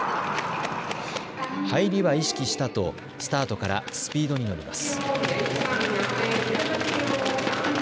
入りは意識したとスタートからスピードに乗ります。